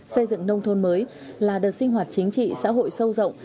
xây dựng nông thôn mới là đợt sinh hoạt chính trị xã hội sâu rộng